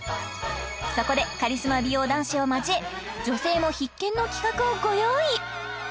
そこでカリスマ美容男子を交え女性も必見の企画をご用意